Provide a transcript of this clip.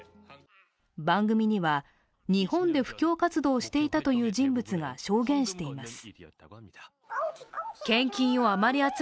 番組には日本で布教活動をしていたという人物が証言しています。